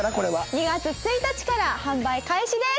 ２月１日から販売開始です。